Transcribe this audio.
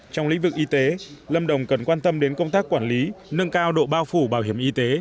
trong lĩnh vực y tế lâm đồng cần quan tâm đến công tác quản lý nâng cao độ bao phủ bảo hiểm y tế